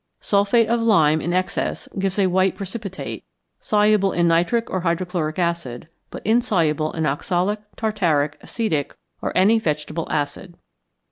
Sulphate of lime in excess gives a white precipitate, soluble in nitric or hydrochloric acid, but insoluble in oxalic, tartaric, acetic, or any vegetable acid.